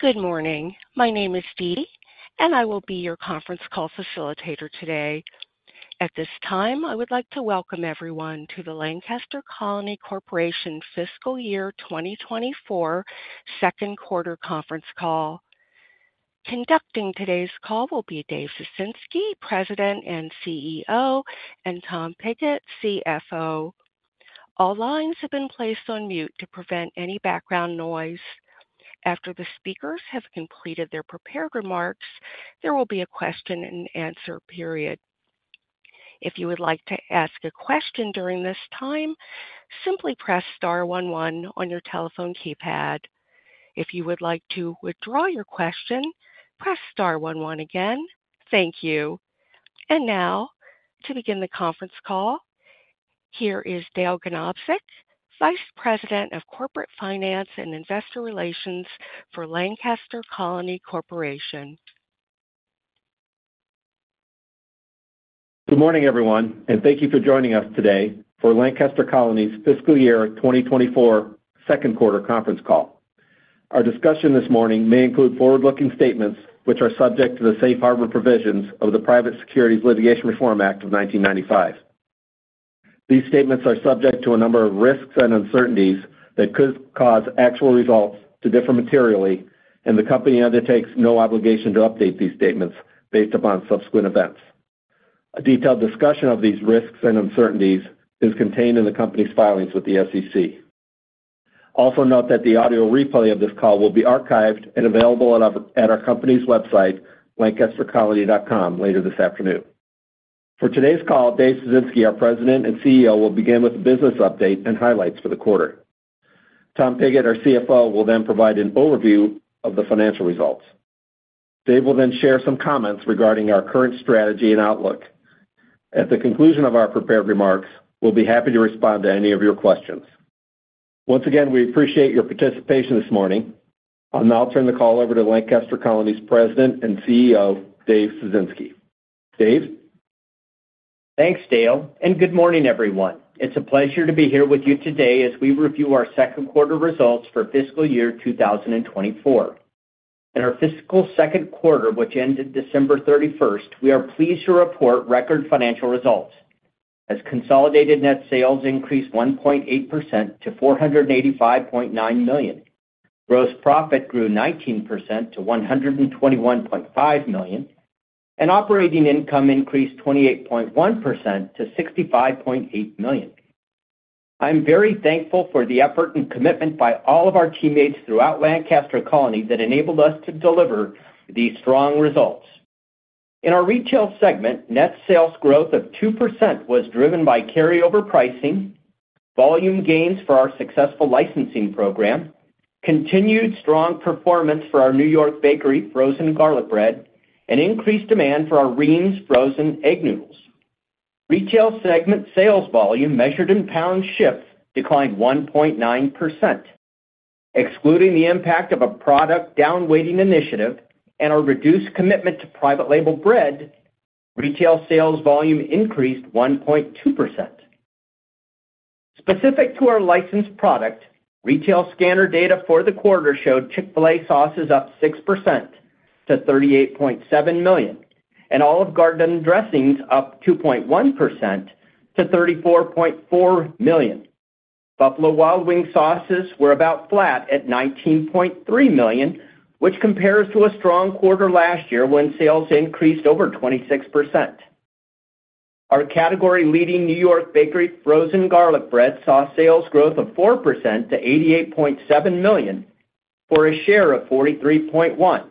Good morning. My name is Dee, and I will be your conference call facilitator today. At this time, I would like to welcome everyone to the Lancaster Colony Corporation Fiscal Year 2024 second quarter conference call. Conducting today's call will be Dave Ciesinski, President and CEO; and Tom Pigott, CFO. All lines have been placed on mute to prevent any background noise. After the speakers have completed their prepared remarks, there will be a question and answer period. If you would like to ask a question during this time, simply press star one one on your telephone keypad. If you would like to withdraw your question, press star one one again. Thank you. Now, to begin the conference call, here is Dale Ganobsik, Vice President of Corporate Finance and Investor Relations for Lancaster Colony Corporation. Good morning, everyone, and thank you for joining us today for Lancaster Colony's fiscal year 2024 second quarter conference call. Our discussion this morning may include forward-looking statements, which are subject to the safe harbor provisions of the Private Securities Litigation Reform Act of 1995. These statements are subject to a number of risks and uncertainties that could cause actual results to differ materially, and the company undertakes no obligation to update these statements based upon subsequent events. A detailed discussion of these risks and uncertainties is contained in the company's filings with the SEC. Also, note that the audio replay of this call will be archived and available at our company's website, lancastercolony.com, later this afternoon. For today's call, Dave Ciesinski, our President and CEO, will begin with a business update and highlights for the quarter. Tom Pigott, our CFO, will then provide an overview of the financial results. Dave will then share some comments regarding our current strategy and outlook. At the conclusion of our prepared remarks, we'll be happy to respond to any of your questions. Once again, we appreciate your participation this morning. I'll now turn the call over to Lancaster Colony's President and CEO, Dave Ciesinski. Dave? Thanks, Dale, and good morning, everyone. It's a pleasure to be here with you today as we review our second quarter results for fiscal year 2024. In our fiscal second quarter, which ended December 31, 2024 we are pleased to report record financial results as consolidated net sales increased 1.8% to $485.9 million. Gross profit grew 19% to $121.5 million, and operating income increased 28.1% to $65.8 million. I'm very thankful for the effort and commitment by all of our teammates throughout Lancaster Colony that enabled us to deliver these strong results. In our retail segment, net sales growth of 2% was driven by carryover pricing, volume gains for our successful licensing program, continued strong performance for our New York Bakery frozen garlic bread, and increased demand for our Reames frozen egg noodles. Retail segment sales volume, measured in pounds shipped, declined 1.9%. Excluding the impact of a product down-weighting initiative and a reduced commitment to private label bread, retail sales volume increased 1.2%. Specific to our licensed product, retail scanner data for the quarter showed Chick-fil-A sauce is up 6% to $38.7 million, and Olive Garden dressings up 2.1% to $34.4 million. Buffalo Wild Wings sauces were about flat at $19.3 million, which compares to a strong quarter last year when sales increased over 26%. Our category-leading New York Bakery frozen garlic bread saw sales growth of 4% to $88.7 million, for a share of 43.1%.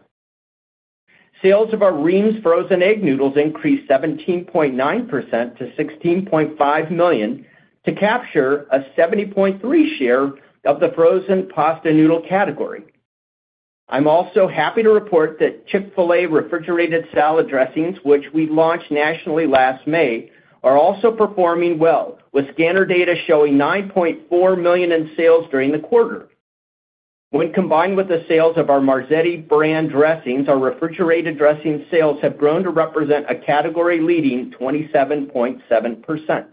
Sales of our Reames frozen egg noodles increased 17.9% to $16.5 million to capture a 70.3% share of the frozen pasta noodle category. I'm also happy to report that Chick-fil-A refrigerated salad dressings, which we launched nationally last May, are also performing well, with scanner data showing $9.4 million in sales during the quarter. When combined with the sales of our Marzetti brand dressings, our refrigerated dressing sales have grown to represent a category-leading 27.7%.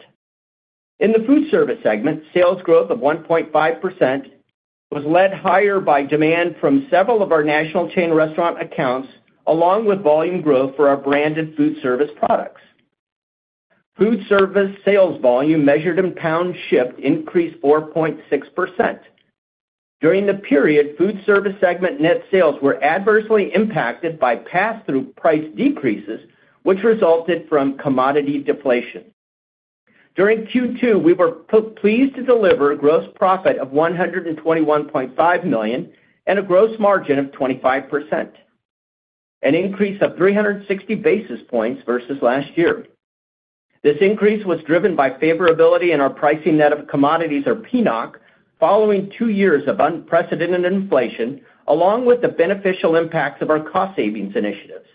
In the Foodservice segment, sales growth of 1.5% was led higher by demand from several of our national chain restaurant accounts, along with volume growth for our branded Foodservice products. Foodservice sales volume, measured in pounds shipped, increased 4.6%. During the period, Foodservice segment net sales were adversely impacted by pass-through price decreases, which resulted from commodity deflation. During Q2, we were pleased to deliver a gross profit of $121.5 million and a gross margin of 25%, an increase of 360 basis points versus last year. This increase was driven by favorability in our pricing net of commodities, or PNOC, following two years of unprecedented inflation, along with the beneficial impacts of our cost savings initiatives.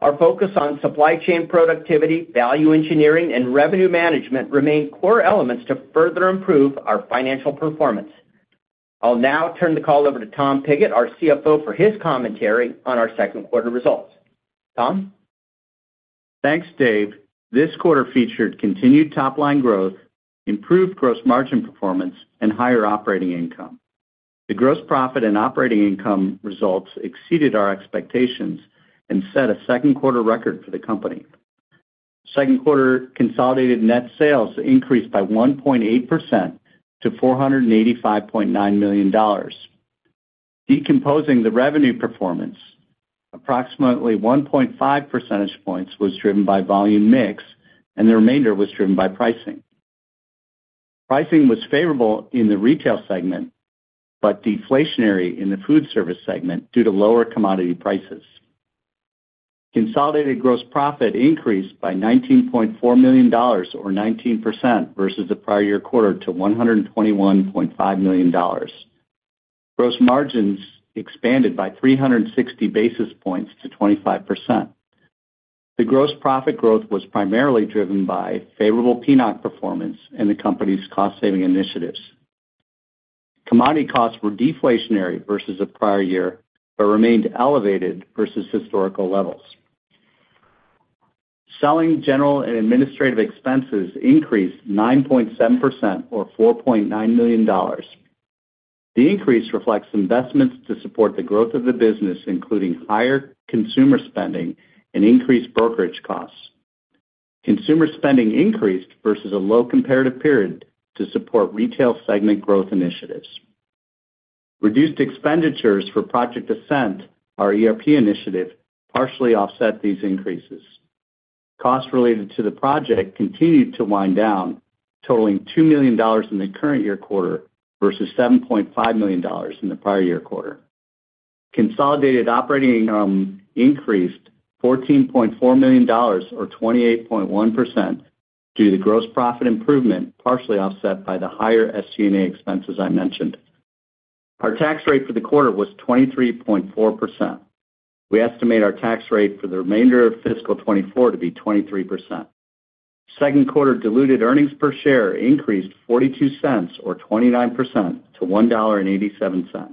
Our focus on supply chain productivity, value engineering and revenue management remain core elements to further improve our financial performance. I'll now turn the call over to Tom Pigott, our CFO, for his commentary on our second quarter results. Tom? Thanks, Dave. This quarter featured continued top-line growth, improved gross margin performance, and higher operating income. The gross profit and operating income results exceeded our expectations and set a second quarter record for the company. Second quarter consolidated net sales increased by 1.8% to $485.9 million. Decomposing the revenue performance, approximately 1.5 percentage points was driven by volume mix, and the remainder was driven by pricing. Pricing was favorable in the retail segment, but deflationary in the Foodservice segment due to lower commodity prices. Consolidated gross profit increased by $19.4 million or 19% versus the prior year quarter to $121.5 million. Gross margins expanded by 360 basis points to 25%. The gross profit growth was primarily driven by favorable PNOC performance and the company's cost-saving initiatives. Commodity costs were deflationary versus the prior year, but remained elevated versus historical levels. Selling, general, and administrative expenses increased 9.7% or $4.9 million. The increase reflects investments to support the growth of the business, including higher consumer spending and increased brokerage costs. Consumer spending increased versus a low comparative period to support retail segment growth initiatives. Reduced expenditures for Project Ascent, our ERP initiative, partially offset these increases. Costs related to the project continued to wind down, totaling $2 million in the current year quarter versus $7.5 million in the prior year quarter. Consolidated operating income increased $14.4 million or 28.1% due to gross profit improvement, partially offset by the higher SG&A expenses I mentioned. Our tax rate for the quarter was 23.4%. We estimate our tax rate for the remainder of fiscal 2024 to be 23%. Second quarter diluted earnings per share increased $0.42 or 29% to $1.87.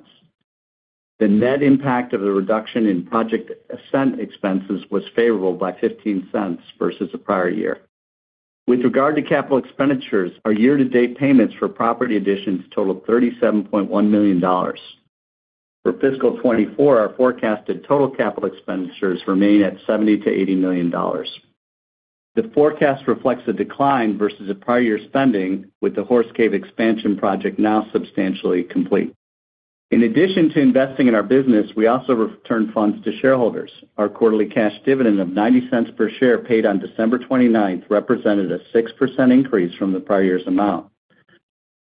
The net impact of the reduction in Project Ascent expenses was favorable by $0.15 versus the prior year. With regard to capital expenditures, our year-to-date payments for property additions total $37.1 million. For fiscal 2024, our forecasted total capital expenditures remain at $70 million-$80 million. The forecast reflects a decline versus the prior year spending, with the Horse Cave expansion project now substantially complete. In addition to investing in our business, we also returned funds to shareholders. Our quarterly cash dividend of $0.90 per share, paid on December 29th, 2024 represented a 6% increase from the prior year's amount.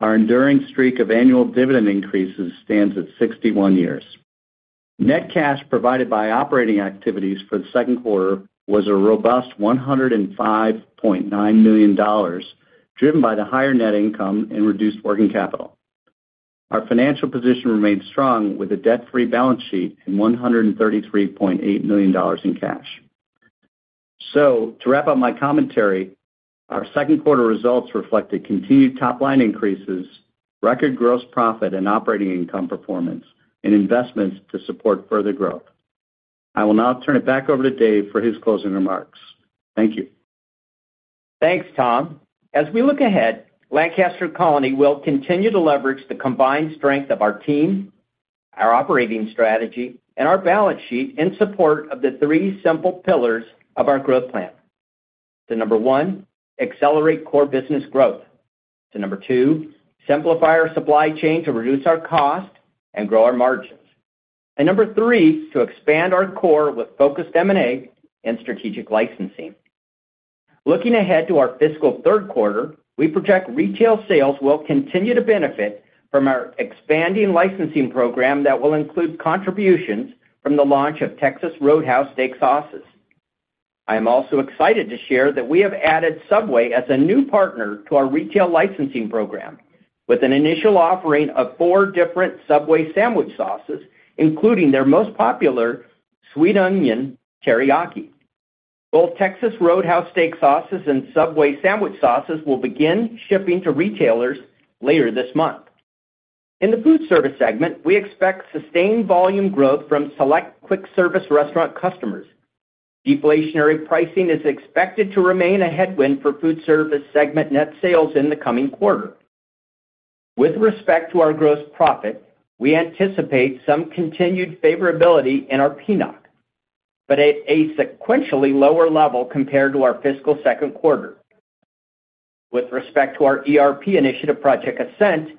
Our enduring streak of annual dividend increases stands at 61 years. Net cash provided by operating activities for the second quarter was a robust $105.9 million, driven by the higher net income and reduced working capital. Our financial position remains strong, with a debt-free balance sheet and $133.8 million in cash. To wrap up my commentary, our second quarter results reflected continued top-line increases, record gross profit and operating income performance, and investments to support further growth. I will now turn it back over to Dave for his closing remarks. Thank you. Thanks, Tom. As we look ahead, Lancaster Colony will continue to leverage the combined strength of our team, our operating strategy, and our balance sheet in support of the three simple pillars of our growth plan. To one, accelerate core business growth. So number two, simplify our supply chain to reduce our cost and grow our margins. And number three, to expand our core with focused M&A and strategic licensing. Looking ahead to our fiscal third quarter, we project retail sales will continue to benefit from our expanding licensing program that will include contributions from the launch of Texas Roadhouse steak sauces. I am also excited to share that we have added Subway as a new partner to our retail licensing program, with an initial offering of 4 different Subway sandwich sauces, including their most popular Sweet Onion Teriyaki. Both Texas Roadhouse steak sauces and Subway sandwich sauces will begin shipping to retailers later this month. In the Foodservice segment, we expect sustained volume growth from select quick-service restaurant customers. Deflationary pricing is expected to remain a headwind for Foodservice segment net sales in the coming quarter. With respect to our gross profit, we anticipate some continued favorability in our PNOC, but at a sequentially lower level compared to our fiscal second quarter. With respect to our ERP initiative, Project Ascent,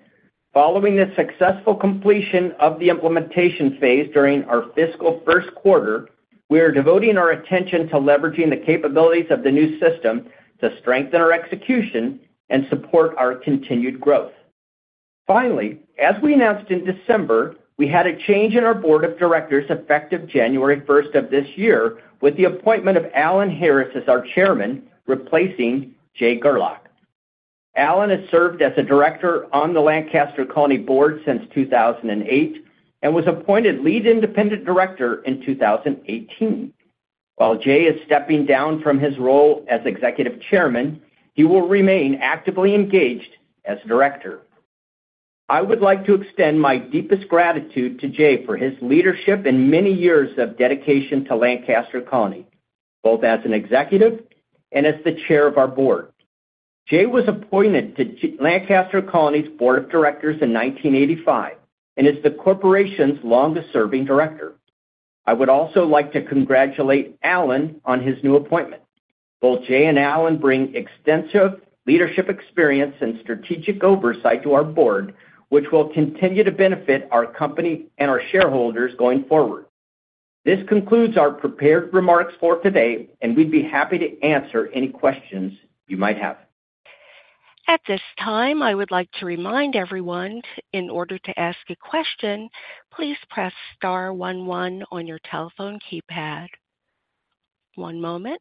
following the successful completion of the implementation phase during our fiscal first quarter, we are devoting our attention to leveraging the capabilities of the new system to strengthen our execution and support our continued growth. Finally, as we announced in December, we had a change in our board of directors effective January first of this year, with the appointment of Alan Harris as our chairman, replacing Jay Gerlach. Alan has served as a director on the Lancaster Colony board since 2008 and was appointed lead independent director in 2018. While Jay is stepping down from his role as executive chairman, he will remain actively engaged as director. I would like to extend my deepest gratitude to Jay for his leadership and many years of dedication to Lancaster Colony, both as an executive and as the chair of our board. Jay was appointed to Lancaster Colony's Board of Directors in 1985, and is the corporation's longest-serving director. I would also like to congratulate Alan on his new appointment. Both Jay and Alan bring extensive leadership experience and strategic oversight to our board, which will continue to benefit our company and our shareholders going forward. This concludes our prepared remarks for today, and we'd be happy to answer any questions you might have. At this time, I would like to remind everyone, in order to ask a question, please press star one one on your telephone keypad. One moment.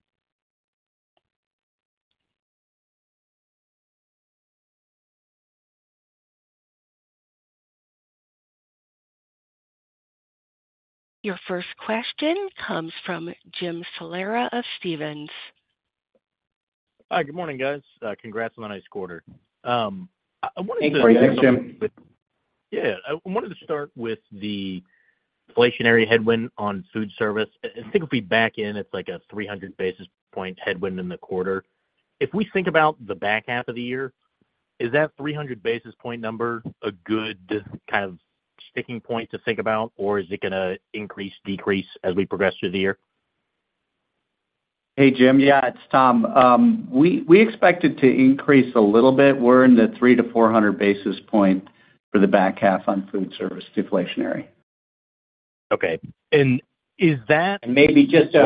Your first question comes from Jim Salera of Stephens. Hi, good morning, guys. Congrats on a nice quarter. I wanted to- Thanks, Jim. Yeah. Yeah, I wanted to start with the inflationary headwind on Foodservice. I think if we back in, it's like a 300 basis point headwind in the quarter. If we think about the back half of the year, is that 300 basis point number a good kind of sticking point to think about, or is it gonna increase, decrease as we progress through the year? Hey, Jim. Yeah, it's Tom. We expect it to increase a little bit. We're in the 300-400 basis point for the back half on Foodservice deflationary. Okay. And is that- And maybe just a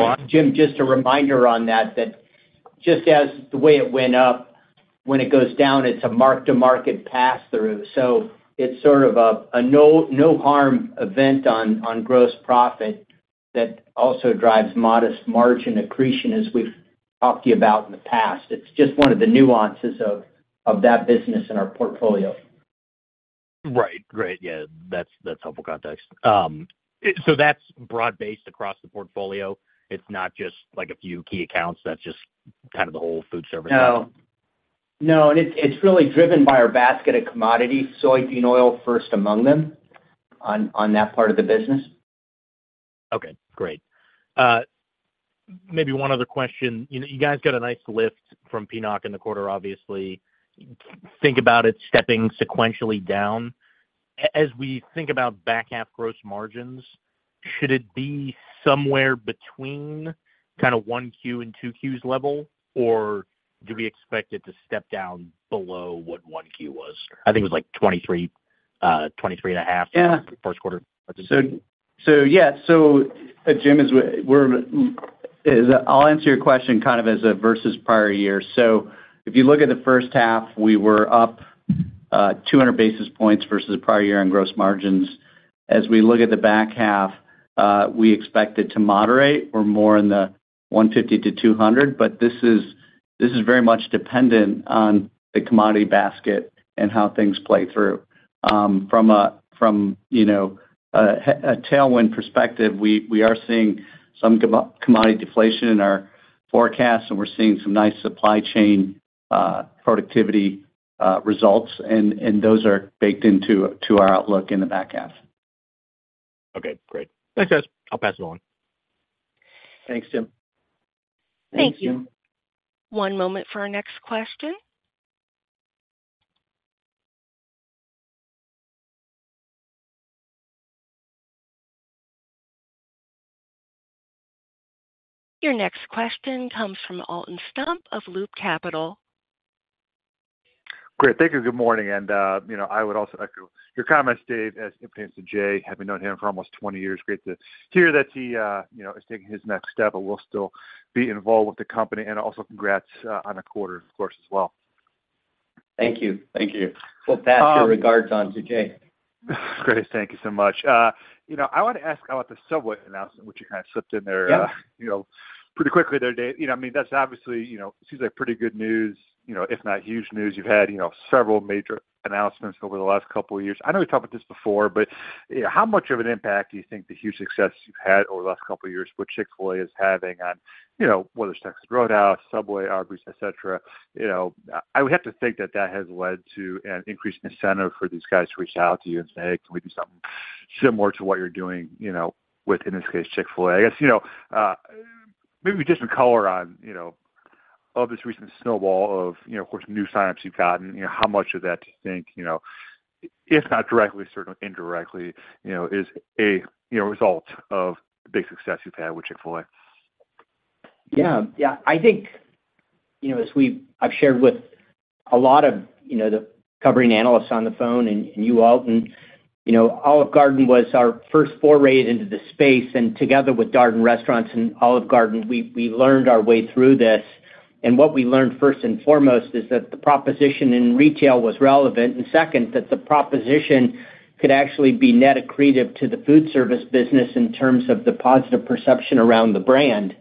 reminder on that, Jim, that just as the way it went up, when it goes down, it's a mark-to-market pass-through. So it's sort of a no harm event on gross profit that also drives modest margin accretion, as we've talked to you about in the past. It's just one of the nuances of that business in our portfolio. Right. Great. Yeah, that's, that's helpful context. So that's broad-based across the portfolio. It's not just, like, a few key accounts, that's just kind of the whole Foodservice? No. No, and it's really driven by our basket of commodities, soybean oil first among them, on that part of the business. Okay, great. Maybe one other question. You know, you guys got a nice lift from PNOC in the quarter, obviously. Think about it stepping sequentially down. As we think about back half gross margins, should it be somewhere between kind of 1Q and 2Q's level, or do we expect it to step down below what 1Q was? I think it was, like, 23%, 23.5%- Yeah. -first quarter. So yeah. Jim, as we're, I'll answer your question kind of as versus prior year. So if you look at the first half, we were up 200 basis points versus the prior year in gross margins. As we look at the back half, we expect it to moderate. We're more in the 150-200, but this is very much dependent on the commodity basket and how things play through. From a tailwind perspective, you know, we are seeing some commodity deflation in our forecast, and we're seeing some nice supply chain productivity results, and those are baked into our outlook in the back half. Okay, great. Thanks, guys. I'll pass it on. Thanks, Jim. Thank you. Thank you. One moment for our next question. Your next question comes from Alton Stump of Loop Capital. Great, thank you. Good morning, and, you know, I would also echo your comments, Dave, as it pertains to Jay, having known him for almost 20 years. Great to hear that he, you know, is taking his next step and will still be involved with the company, and also congrats, on the quarter, of course, as well. Thank you. Thank you. We'll pass your regards on to Jay. Great. Thank you so much. You know, I wanted to ask about the Subway announcement, which you kind of slipped in there. Yeah. You know, pretty quickly there, Dave. You know, I mean, that's obviously, you know, seems like pretty good news, you know, if not huge news. You've had, you know, several major announcements over the last couple of years. I know we've talked about this before, but, you know, how much of an impact do you think the huge success you've had over the last couple of years with Chick-fil-A is having on, you know, with Texas Roadhouse, Subway, Arby's, et cetera? You know, I would have to think that that has led to an increased incentive for these guys to reach out to you and say, "Hey, can we do something similar to what you're doing, you know, with, in this case, Chick-fil-A?" I guess, you know, maybe just some color on, you know, of this recent snowball of, you know, course, new signups you've gotten, you know, how much of that do you think, you know, if not directly, certainly indirectly, you know, is a, you know, result of the big success you've had with Chick-fil-A? Yeah, yeah. I think, you know, as I've shared with a lot of, you know, the covering analysts on the phone and you, Alton, you know, Olive Garden was our first foray into the space, and together with Darden Restaurants and Olive Garden, we learned our way through this. And what we learned, first and foremost, is that the proposition in retail was relevant, and second, that the proposition could actually be net accretive to the Foodservice business in terms of the positive perception around the brand.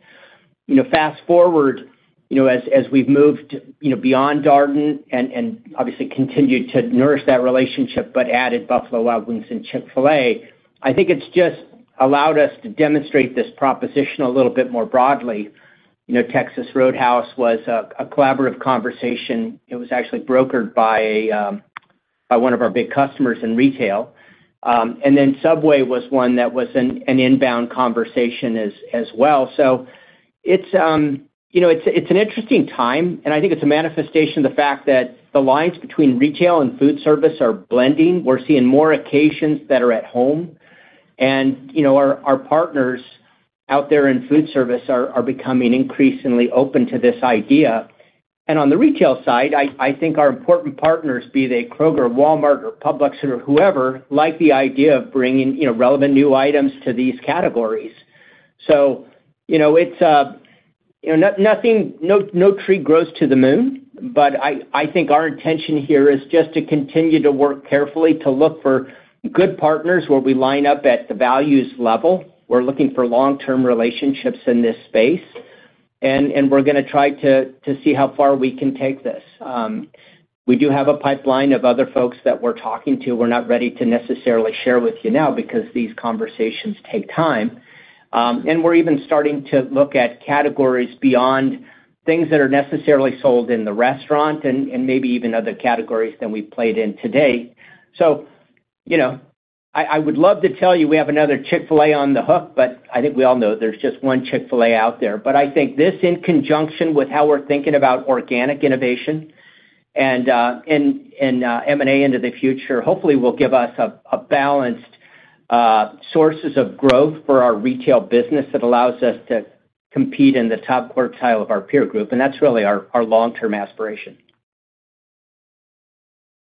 You know, fast-forward, you know, as we've moved, you know, beyond Darden and obviously continued to nourish that relationship, but added Buffalo Wild Wings and Chick-fil-A, I think it's just allowed us to demonstrate this proposition a little bit more broadly you know, Texas Roadhouse was a collaborative conversation. It was actually brokered by one of our big customers in retail. And then Subway was one that was an inbound conversation as well. So it's you know it's an interesting time, and I think it's a manifestation of the fact that the lines between retail and Foodservice are blending. We're seeing more occasions that are at home, and you know our partners out there in Foodservice are becoming increasingly open to this idea. And on the retail side, I think our important partners, be they Kroger, Walmart, or Publix, or whoever, like the idea of bringing you know relevant new items to these categories. So, you know, it's, you know, nothing—no, no tree grows to the moon, but I think our intention here is just to continue to work carefully to look for good partners where we line up at the values level. We're looking for long-term relationships in this space, and we're gonna try to see how far we can take this. We do have a pipeline of other folks that we're talking to. We're not ready to necessarily share with you now because these conversations take time. And we're even starting to look at categories beyond things that are necessarily sold in the restaurant and maybe even other categories than we've played in to date. So, you know, I would love to tell you we have another Chick-fil-A on the hook, but I think we all know there's just one Chick-fil-A out there. But I think this, in conjunction with how we're thinking about organic innovation and M&A into the future, hopefully will give us a balanced sources of growth for our retail business that allows us to compete in the top quartile of our peer group, and that's really our long-term aspiration.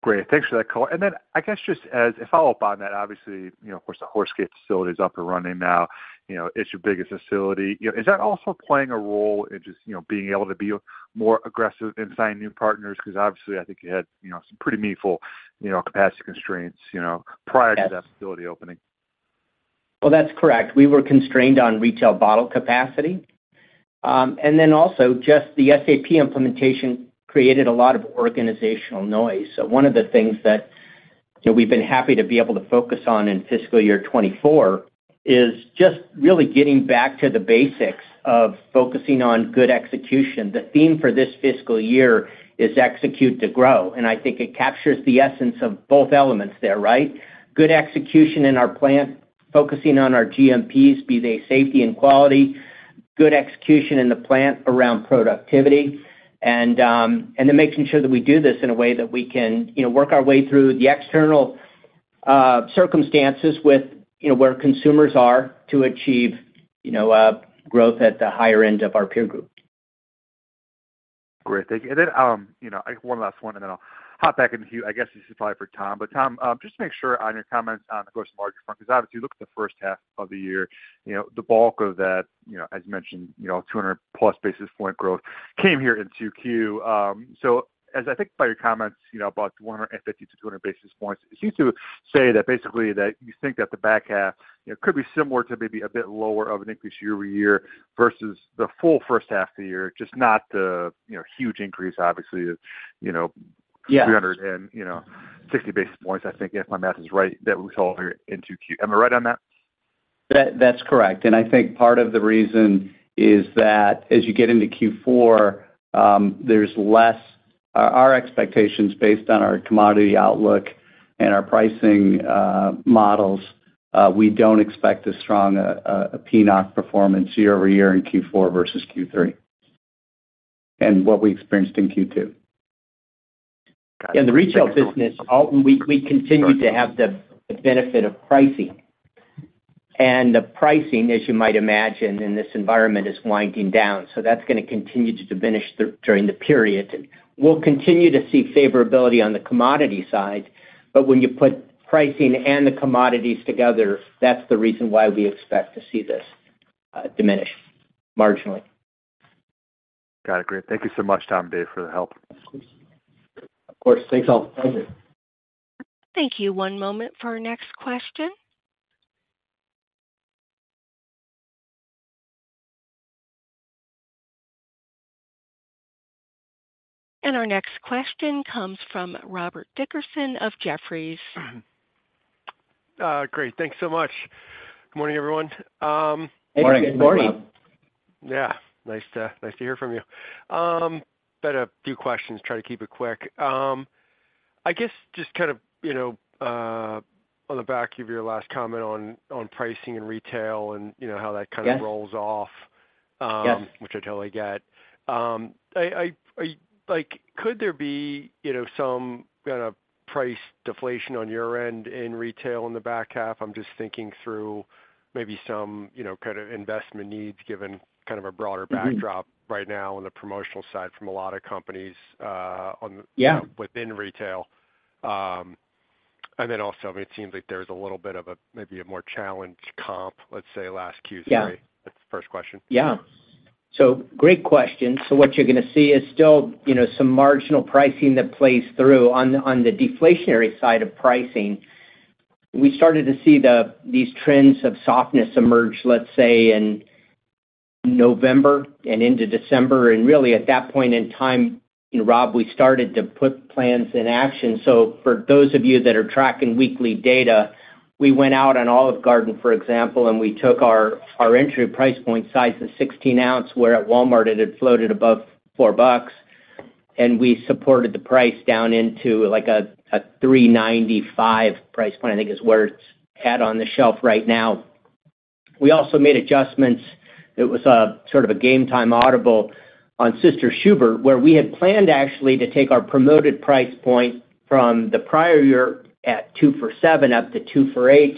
Great. Thanks for that, Cole. And then I guess just as a follow-up on that, obviously, you know, of course, the Horse Cave facility is up and running now. You know, it's your biggest facility. You know, is that also playing a role in just, you know, being able to be more aggressive in signing new partners? Because obviously, I think you had, you know, some pretty meaningful, you know, capacity constraints, you know, prior to that facility opening. Well, that's correct. We were constrained on retail bottle capacity. And then also just the SAP implementation created a lot of organizational noise. So one of the things that, you know, we've been happy to be able to focus on in fiscal year 2024, is just really getting back to the basics of focusing on good execution. The theme for this fiscal year is execute to grow, and I think it captures the essence of both elements there, right? Good execution in our plant, focusing on our GMPs, be they safety and quality, good execution in the plant around productivity, and then making sure that we do this in a way that we can, you know, work our way through the external circumstances with, you know, where consumers are to achieve, you know, growth at the higher end of our peer group. Great. Thank you. And then, you know, I have one last one, and then I'll hop back into you. I guess this is probably for Tom. But Tom, just to make sure on your comments on, of course, the larger front, because obviously, you look at the first half of the year, you know, the bulk of that, you know, as you mentioned, you know, 200+ basis point growth came here in Q2. So as I think about your comments, you know, about 150-200 basis points, it seems to say that basically that you think that the back half, you know, could be similar to maybe a bit lower of an increase year-over-year versus the full first half of the year, just not the, you know, huge increase, obviously, you know- Yes. 360, you know, basis points, I think, if my math is right, that we saw here in Q2. Am I right on that? That, that's correct. And I think part of the reason is that as you get into Q4, our expectations based on our commodity outlook and our pricing models, we don't expect as strong a PNOC performance year-over-year in Q4 versus Q3, and what we experienced in Q2. Yeah, the retail business, we continue to have the benefit of pricing. And the pricing, as you might imagine in this environment, is winding down. So that's gonna continue to diminish during the period. We'll continue to see favorability on the commodity side, but when you put pricing and the commodities together, that's the reason why we expect to see this diminish marginally. Got it. Great. Thank you so much, Tom and Dave, for the help. Of course. Thanks, all. Thank you. Thank you. One moment for our next question. Our next question comes from Robert Dickerson of Jefferies. Great. Thanks so much. Good morning, everyone. Good morning. Good morning. Yeah. Nice to hear from you. Got a few questions, try to keep it quick. I guess just kind of, you know, on the back of your last comment on pricing and retail and, you know, how that kind of- Yes. Rolls off- Yes. Which I totally get. Like, could there be, you know, some kind of price deflation on your end in retail in the back half? I'm just thinking through maybe some, you know, kind of investment needs, given kind of a broader backdrop right now on the promotional side from a lot of companies, on- Yeah. within retail. And then also, I mean, it seems like there's a little bit of a, maybe a more challenged comp, let's say last Q3. Yeah. That's the first question. Yeah. So great question. So what you're gonna see is still, you know, some marginal pricing that plays through. On the deflationary side of pricing, we started to see these trends of softness emerge, let's say, in November and into December, and really at that point in time, Rob, we started to put plans in action. So for those of you that are tracking weekly data, we went out on Olive Garden, for example, and we took our entry price point size to 16 oz, where at Walmart, it had floated above $4, and we supported the price down into, like, a $3.95 price point, I think is where it's at on the shelf right now. We also made adjustments. It was a sort of a game time audible on Sister Schubert's, where we had planned actually to take our promoted price point from the prior year at two for $7, up to two for $8.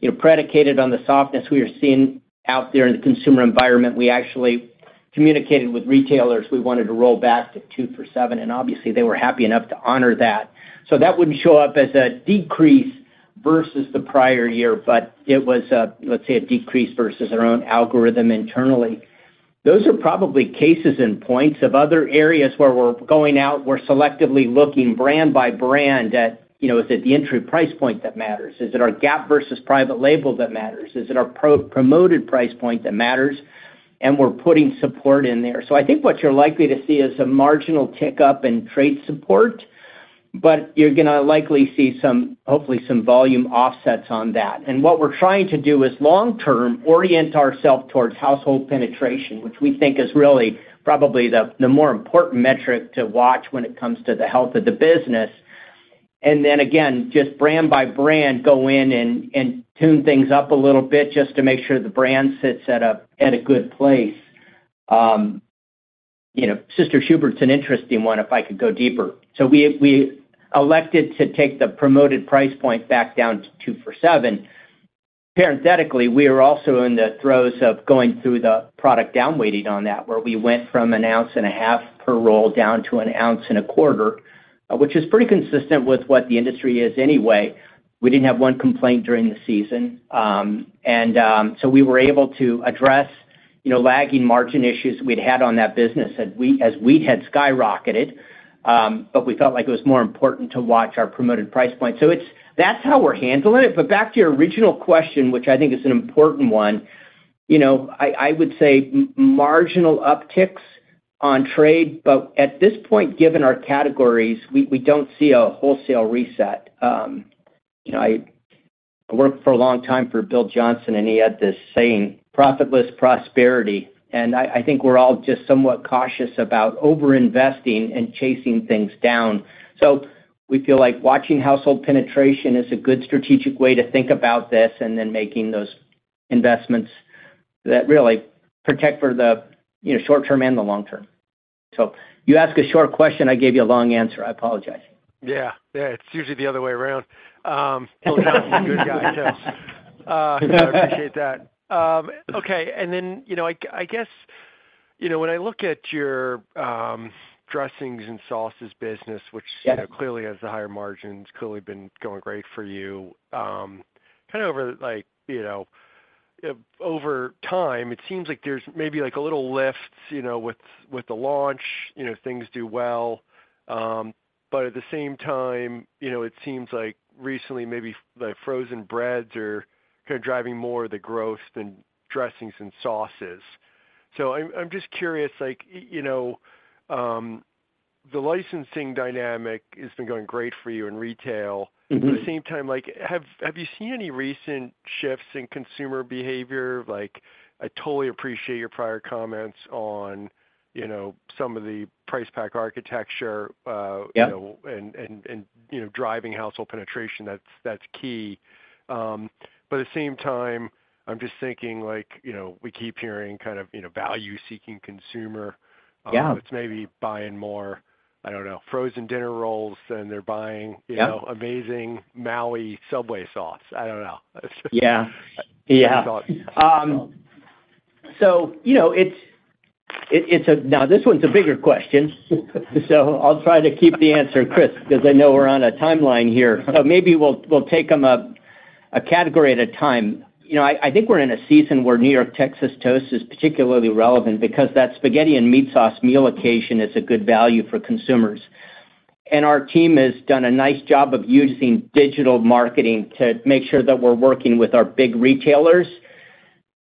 You know, predicated on the softness we are seeing out there in the consumer environment, we actually communicated with retailers. We wanted to roll back to two for $7, and obviously, they were happy enough to honor that. So that wouldn't show up as a decrease versus the prior year, but it was a, let's say, a decrease versus our own algorithm internally. Those are probably cases and points of other areas where we're going out, we're selectively looking brand by brand at, you know, is it the entry price point that matters? Is it our gap versus private label that matters? Is it our promoted price point that matters? We're putting support in there. So I think what you're likely to see is a marginal tick up in trade support, but you're gonna likely see some, hopefully, some volume offsets on that. And what we're trying to do is, long term, orient ourselves towards household penetration, which we think is really probably the more important metric to watch when it comes to the health of the business. And then again, just brand by brand, go in and tune things up a little bit just to make sure the brand sits at a good place. You know, Sister Schubert's an interesting one, if I could go deeper. So we elected to take the promoted price point back down to two for seven. Parenthetically, we are also in the throes of going through the product down weighting on that, where we went from 1.5 oz per roll down to 1.25 oz, which is pretty consistent with what the industry is anyway. We didn't have one complaint during the season. And so we were able to address, you know, lagging margin issues we'd had on that business, as wheat had skyrocketed. But we felt like it was more important to watch our promoted price point. So that's how we're handling it. But back to your original question, which I think is an important one, you know, I would say marginal upticks on trade, but at this point, given our categories, we don't see a wholesale reset. You know, I worked for a long time for Bill Johnson, and he had this saying, "Profitless prosperity." And I think we're all just somewhat cautious about overinvesting and chasing things down. So we feel like watching household penetration is a good strategic way to think about this, and then making those investments that really protect for the, you know, short term and the long term. So you asked a short question, I gave you a long answer. I apologize. Yeah. Yeah, it's usually the other way around. Bill Johnson, good guy, so I appreciate that. Okay, and then, you know, I guess, you know, when I look at your dressings and sauces business, which- Yeah. You know, clearly has the higher margins, clearly been going great for you. Kind of over, like, you know, over time, it seems like there's maybe, like, a little lift, you know, with the launch, you know, things do well. But at the same time, you know, it seems like recently, maybe, like, frozen breads are kind of driving more of the growth than dressings and sauces. So I'm just curious, like, you know, the licensing dynamic has been going great for you in retail. Mm-hmm. At the same time, like, have you seen any recent shifts in consumer behavior? Like, I totally appreciate your prior comments on, you know, some of the price pack architecture. Yeah. You know, and driving household penetration, that's key. But at the same time, I'm just thinking, like, you know, we keep hearing kind of, you know, value-seeking consumer. Yeah. That's maybe buying more, I don't know, frozen dinner rolls than they're buying- Yep. You know, amazing Maui Subway sauce. I don't know. Yeah. Yeah. Thoughts. So you know, it's a bigger question, so I'll try to keep the answer crisp, because I know we're on a timeline here. So maybe we'll take them up a category at a time. You know, I think we're in a season where New York Texas Toast is particularly relevant because that spaghetti and meat sauce meal occasion is a good value for consumers. And our team has done a nice job of using digital marketing to make sure that we're working with our big retailers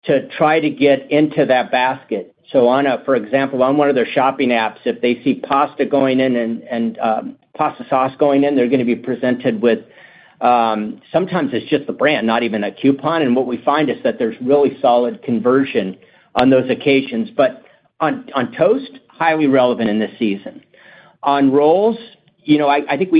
to try to get into that basket. So, for example, on one of their shopping apps, if they see pasta going in and pasta sauce going in, they're gonna be presented with, sometimes it's just the brand, not even a coupon. And what we find is that there's really solid conversion on those occasions. But on toast, highly relevant in this season. On rolls, you know, I think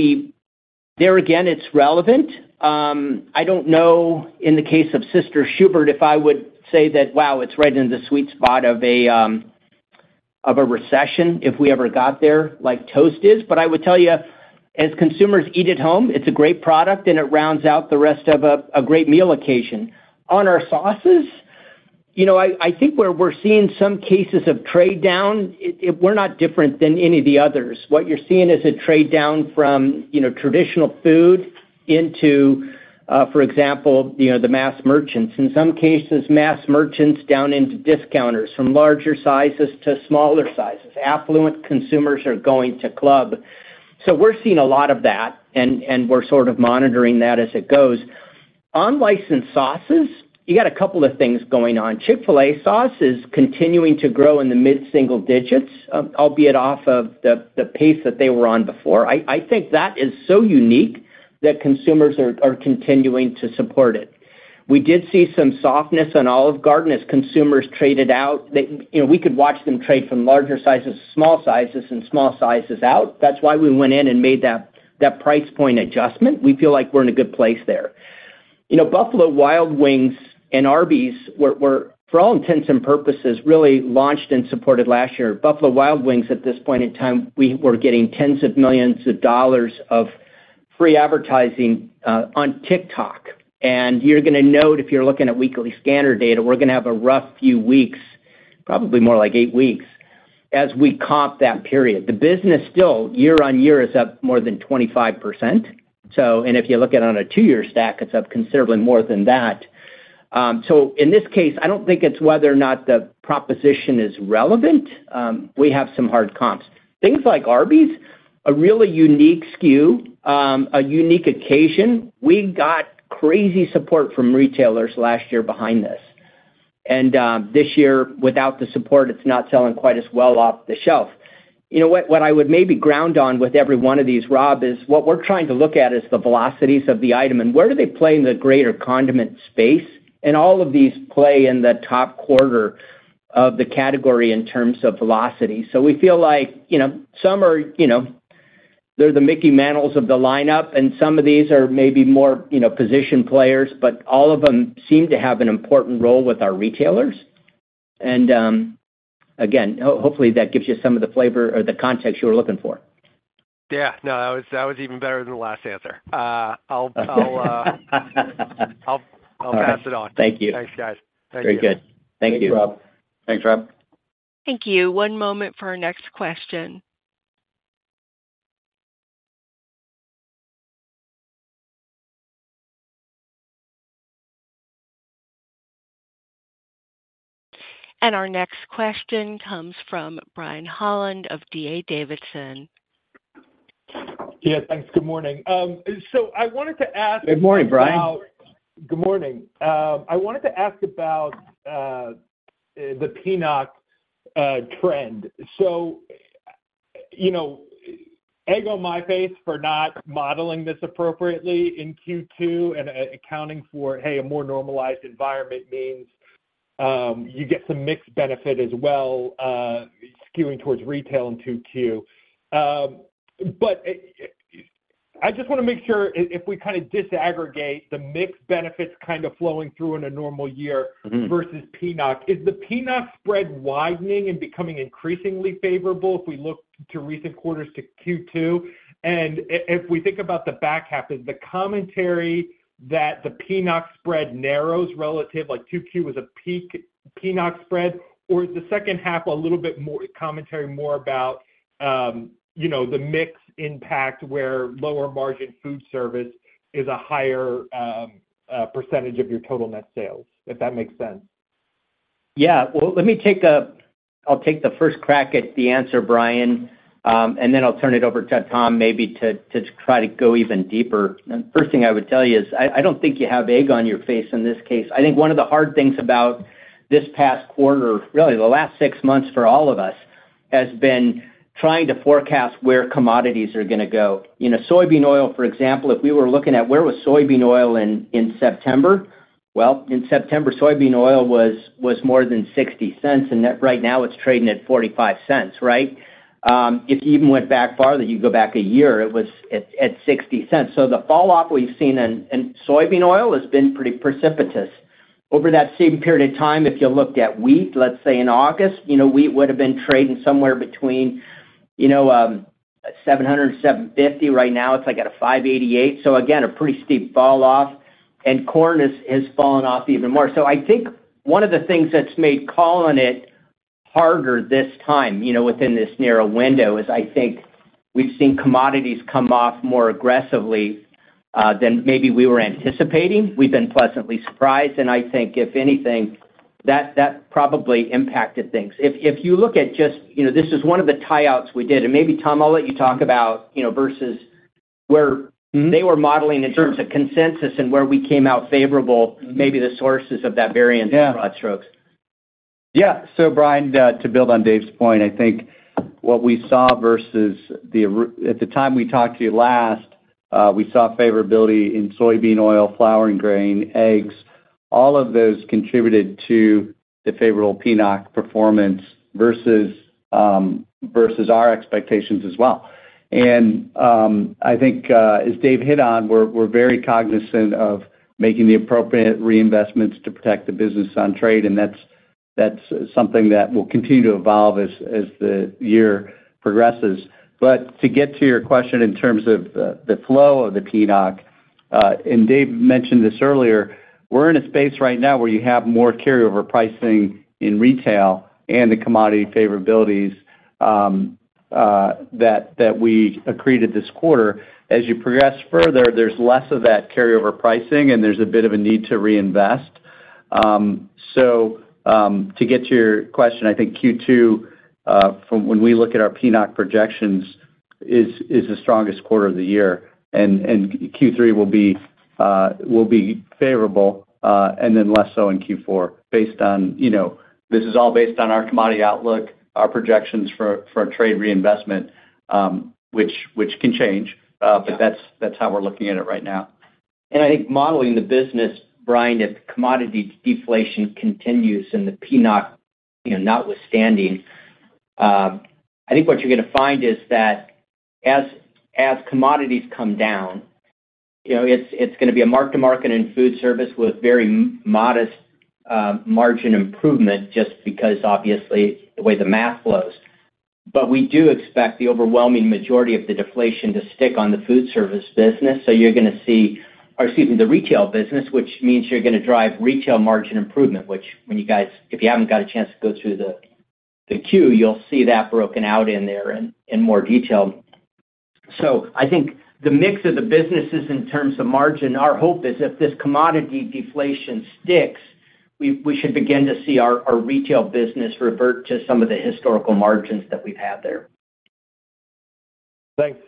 there again, it's relevant. I don't know, in the case of Sister Schubert's, if I would say that, wow, it's right in the sweet spot of a recession, if we ever got there, like toast is. But I would tell you, as consumers eat at home, it's a great product, and it rounds out the rest of a great meal occasion. On our sauces, you know, I think where we're seeing some cases of trade down, we're not different than any of the others. What you're seeing is a trade down from, you know, traditional food into, for example, you know, the mass merchants. In some cases, mass merchants down into discounters, from larger sizes to smaller sizes. Affluent consumers are going to club. So we're seeing a lot of that, and we're sort of monitoring that as it goes. On licensed sauces, you got a couple of things going on. Chick-fil-A sauce is continuing to grow in the mid-single digits, albeit off of the pace that they were on before. I think that is so unique that consumers are continuing to support it. We did see some softness on Olive Garden as consumers traded out. They, you know, we could watch them trade from larger sizes to small sizes and small sizes out. That's why we went in and made that price point adjustment. We feel like we're in a good place there. You know, Buffalo Wild Wings and Arby's were, for all intents and purposes, really launched and supported last year. Buffalo Wild Wings, at this point in time, we were getting tens of millions of dollars of free advertising on TikTok. And you're gonna note, if you're looking at weekly scanner data, we're gonna have a rough few weeks, probably more like eight weeks, as we comp that period. The business still, year-on-year, is up more than 25%. So, and if you look at it on a 2-year stack, it's up considerably more than that. So in this case, I don't think it's whether or not the proposition is relevant. We have some hard comps. Things like Arby's, a really unique SKU, a unique occasion. We got crazy support from retailers last year behind this. This year, without the support, it's not selling quite as well off the shelf. You know, what I would maybe ground on with every one of these, Rob, is what we're trying to look at is the velocities of the item and where do they play in the greater condiment space, and all of these play in the top quarter of the category in terms of velocity. So we feel like, you know, some are, you know, they're the Mickey Mantles of the lineup, and some of these are maybe more, you know, position players, but all of them seem to have an important role with our retailers. Again, hopefully, that gives you some of the flavor or the context you were looking for. Yeah. No, that was even better than the last answer. I'll- All right. I'll pass it on. Thank you. Thanks, guys. Very good. Thank you. Thanks, Rob. Thanks, Rob. Thank you. One moment for our next question. Our next question comes from Brian Holland of D.A. Davidson. Yeah, thanks. Good morning. So I wanted to ask- Good morning, Brian. Good morning. I wanted to ask about the PNOC trend. So, you know, egg on my face for not modeling this appropriately in Q2 and accounting for, hey, a more normalized environment means you get some mixed benefit as well, skewing towards retail in Q2. But I just wanna make sure if we kind of disaggregate the mixed benefits kind of flowing through in a normal year versus PNOC. Is the PNOC spread widening and becoming increasingly favorable if we look to recent quarters to Q2? And if we think about the back half, is the commentary that the PNOC spread narrows relative, like Q2 was a peak PNOC spread, or is the second half a little bit more commentary more about, you know, the mix impact, where lower margin Foodservice is a higher percentage of your total net sales? If that makes sense. Yeah. Well, let me take—I'll take the first crack at the answer, Brian, and then I'll turn it over to Tom, maybe to try to go even deeper. And first thing I would tell you is I don't think you have egg on your face in this case. I think one of the hard things about this past quarter, really, the last six months for all of us, has been trying to forecast where commodities are gonna go. You know, soybean oil, for example, if we were looking at where was soybean oil in September? Well, in September, soybean oil was more than $0.60, and that right now it's trading at $0.45, right? If you even went back farther, you go back a year, it was at $0.60. So the falloff we've seen in soybean oil has been pretty precipitous. Over that same period of time, if you looked at wheat, let's say in August, you know, wheat would have been trading somewhere between $700-$750. Right now, it's like at $588. So again, a pretty steep falloff, and corn has fallen off even more. So I think one of the things that's made calling it harder this time, you know, within this narrow window, is I think we've seen commodities come off more aggressively than maybe we were anticipating. We've been pleasantly surprised, and I think if anything, that probably impacted things. If you look at just you know, this is one of the tie-outs we did, and maybe, Tom, I'll let you talk about, you know, versus where they were modeling in terms of consensus and where we came out favorable, maybe the sources of that variance- Yeah. In broad strokes. Yeah. So Brian, to build on Dave's point, I think what we saw versus at the time we talked to you last, we saw favorability in soybean oil, flour and grain, eggs. All of those contributed to the favorable PNOC performance versus versus our expectations as well. And, I think, as Dave hit on, we're, we're very cognizant of making the appropriate reinvestments to protect the business on trade, and that's, that's something that will continue to evolve as, as the year progresses. But to get to your question in terms of the, the flow of the PNOC, and Dave mentioned this earlier, we're in a space right now where you have more carryover pricing in retail and the commodity favorabilities, that, that we accreted this quarter. As you progress further, there's less of that carryover pricing, and there's a bit of a need to reinvest. So, to get to your question, I think Q2, from when we look at our PNOC projections, is the strongest quarter of the year, and Q3 will be favorable, and then less so in Q4, based on, you know, this is all based on our commodity outlook, our projections for a trade reinvestment, which can change. Yeah. But that's, that's how we're looking at it right now. I think modeling the business, Brian, if commodity deflation continues and the PNOC, you know, notwithstanding, I think what you're gonna find is that as commodities come down, you know, it's gonna be a mark-to-market in Foodservice with very modest margin improvement, just because obviously, the way the math flows. But we do expect the overwhelming majority of the deflation to stick on the Foodservice business. So you're gonna see, or excuse me, the retail business, which means you're gonna drive retail margin improvement, which when you guys, if you haven't got a chance to go through the Q, you'll see that broken out in there in more detail. So I think the mix of the businesses in terms of margin, our hope is if this commodity deflation sticks, we should begin to see our retail business revert to some of the historical margins that we've had there. Thanks,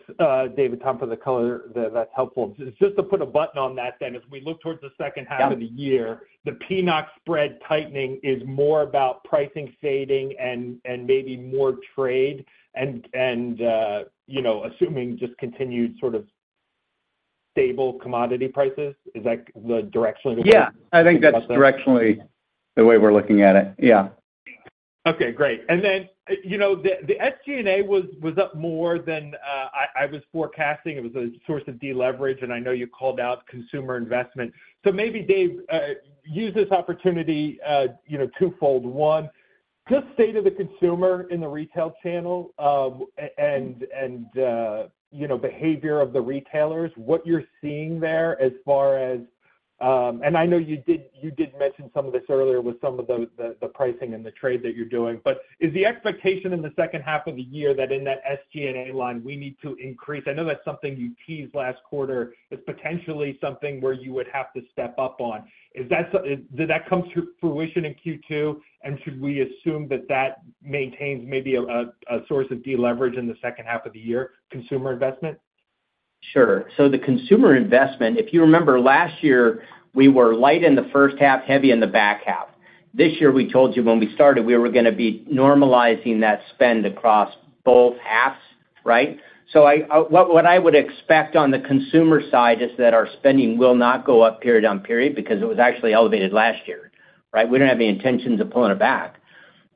David, Tom, for the color, that, that's helpful. Just to put a button on that then, as we look towards the second half of the year. Yep. The PNOC spread tightening is more about pricing fading, and maybe more trade and, you know, assuming just continued sort of stable commodity prices. Is that directionally the way Yeah, I think that's directionally the way we're looking at it. Yeah. Okay, great. And then, you know, the SG&A was up more than I was forecasting. It was a source of deleverage, and I know you called out consumer investment. So maybe Dave, use this opportunity, you know, twofold. One, just state of the consumer in the retail channel, and you know, behavior of the retailers, what you're seeing there as far as. And I know you did mention some of this earlier with some of the pricing and the trade that you're doing. But is the expectation in the second half of the year that in that SG&A line, we need to increase? I know that's something you teased last quarter, as potentially something where you would have to step up on. Is that so? Did that come to fruition in Q2? Should we assume that that maintains maybe a source of deleverage in the second half of the year, consumer investment? Sure. So the consumer investment, if you remember last year, we were light in the first half, heavy in the back half. This year, we told you when we started, we were gonna be normalizing that spend across both halves, right? So I would expect on the consumer side is that our spending will not go up period on period because it was actually elevated last year, right? We don't have any intentions of pulling it back.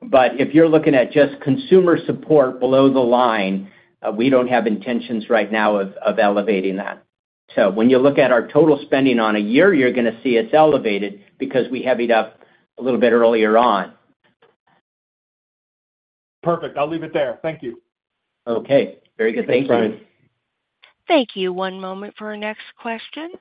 But if you're looking at just consumer support below the line, we don't have intentions right now of elevating that. So when you look at our total spending on a year, you're gonna see it's elevated because we heavied up a little bit earlier on. Perfect. I'll leave it there. Thank you. Okay. Very good. Thank you. Thanks, Brian. Thank you. One moment for our next question.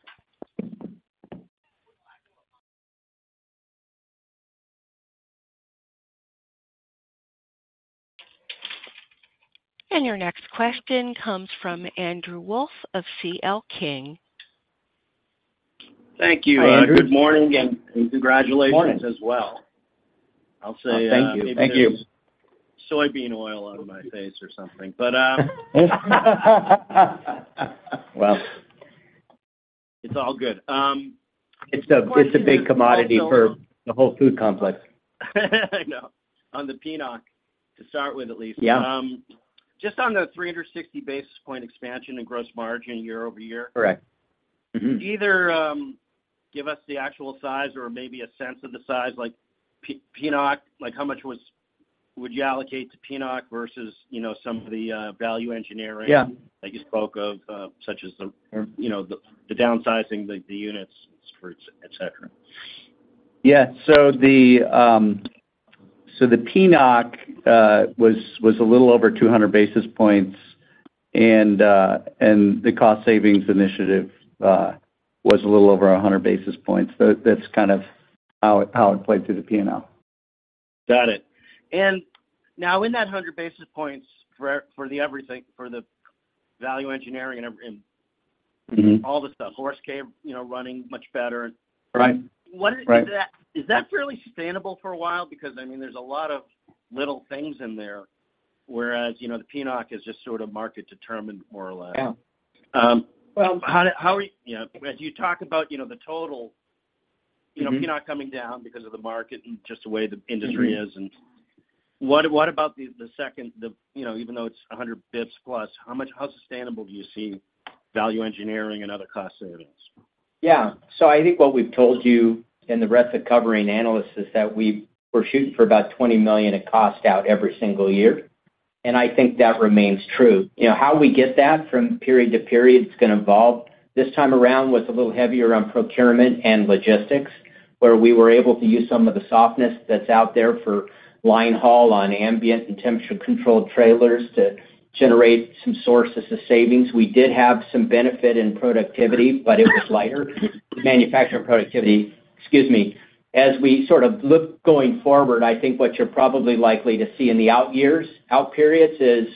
Your next question comes from Andrew Wolf of C.L. King. Thank you, Andrew. Hi, Andrew. Good morning, and congratulations as well. Good morning. Oh, thank you. Thank you. I'll say, maybe there's soybean oil on my face or something, but. Well. It's all good. It's the big commodity for the whole food complex. I know. On the PNOC, to start with, at least. Yeah. Just on the 360 basis point expansion in gross margin year-over-year. Correct. Either, give us the actual size or maybe a sense of the size, like, PNOC, like, how much would you allocate to PNOC versus, you know, some of the, value engineering? Yeah. That you spoke of, such as the, you know, the downsizing, the units, fruits, et cetera? Yeah. So the PNOC was a little over 200 basis points, and the cost savings initiative was a little over 100 basis points. So that's kind of how it played through the P&L. Got it. And now in that 100 basis points for everything, for the value engineering and all the stuff, Horse Cave, you know, running much better. Right. What is that? Right. Is that fairly sustainable for a while? Because, I mean, there's a lot of little things in there, whereas, you know, the PNOC is just sort of market determined, more or less. Yeah. Well, how are, you know, as you talk about, you know, the total you know, PNOC coming down because of the market and just the way the industry is. What about the second, you know, even though it's 100 basis points plus, how sustainable do you see value engineering and other cost savings? Yeah. So I think what we've told you and the rest of the covering analysts is that we're shooting for about $20 million in cost out every single year, and I think that remains true. You know, how we get that from period to period is gonna evolve. This time around, was a little heavier on procurement and logistics, where we were able to use some of the softness that's out there for line haul on ambient and temperature-controlled trailers to generate some sources of savings. We did have some benefit in productivity, but it was lighter. Manufacturing productivity, excuse me. As we sort of look going forward, I think what you're probably likely to see in the out years, out periods is,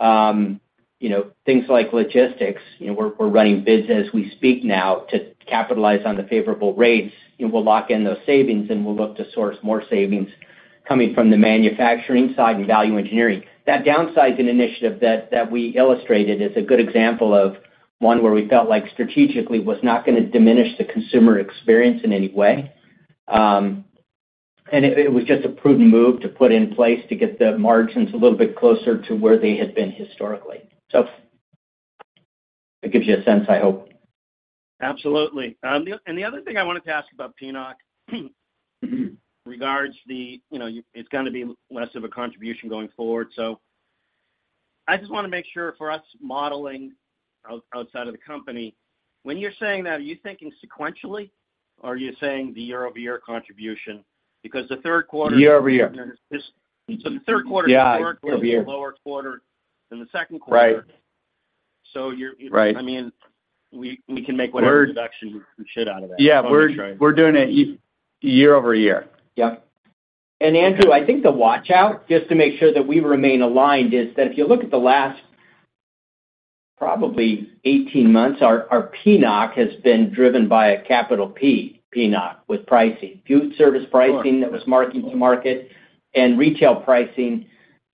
you know, things like logistics. You know, we're running bids as we speak now to capitalize on the favorable rates. And we'll lock in those savings, and we'll look to source more savings coming from the manufacturing side and value engineering. That downsizing initiative that we illustrated is a good example of one where we felt like strategically was not gonna diminish the consumer experience in any way. And it was just a prudent move to put in place to get the margins a little bit closer to where they had been historically. So that gives you a sense, I hope. Absolutely. And the other thing I wanted to ask about PNOC regards the, you know, it's gonna be less of a contribution going forward. So I just wanna make sure for us modeling outside of the company, when you're saying that, are you thinking sequentially, or are you saying the year-over-year contribution? Because the third quarter- Year-over-year. So the third quarter. Yeah, year-over-year. Historically, was a lower quarter than the second quarter. Right. So you're. Right. I mean, we can make whatever deduction we should out of that. Yeah, we're doing it year-over-year. Yep. Andrew, I think the watch-out, just to make sure that we remain aligned, is that if you look at the last probably 18 months, our PNOC has been driven by a capital P, PNOC, with pricing. Fuel service pricing. Sure. That was market to market and retail pricing.